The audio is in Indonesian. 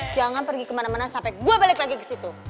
jangan pergi kemana mana sampai gue balik lagi ke situ